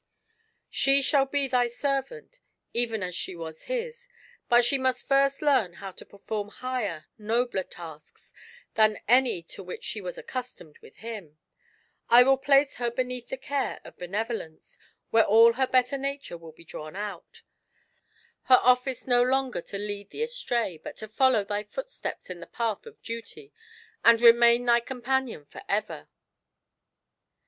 She shall be thy servant, even as she was his ; but she must first learn how to perform higher, nobler tasks than any to which she was accustomed with him. I will place her beneath the care of Benevolence, where all her better nature will be drawn out ; Pleasure will then become a holy thing, her office no longer to lead thee astray, but to foUow thy footsteps in the path of duty, and remain thy companion for ever